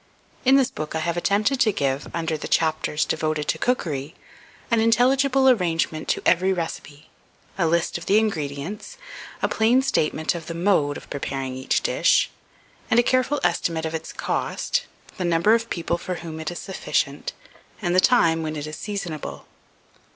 In this book I have attempted to give, under the chapters devoted to cookery, an intelligible arrangement to every recipe, a list of the ingredients, a plain statement of the mode of preparing each dish, and a careful estimate of its cost, the number of people for whom it is sufficient, and the time when it is seasonable.